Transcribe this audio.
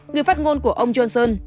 người phát ngôn của ông johnson